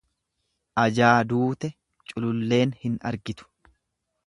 Ajaa duute cululleen hin argitu.